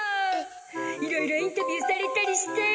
いろいろインタビューされたりして。